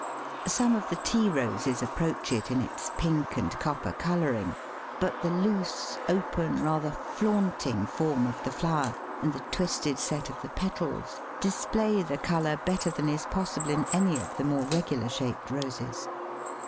Some of the Tea Roses approach it in its pink and copper colouring, but the loose, open, rather flaunting form of the flower, and the twisted set of the petals, display the colour better than is possible in any of the more regular shaped Roses.